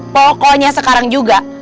pokoknya sekarang juga